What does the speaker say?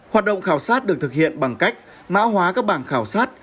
hoạt động khảo sát được thực hiện bằng cách mã hóa các bảng khảo sát